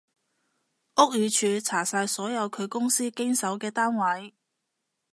屋宇署查晒所有佢公司經手嘅單位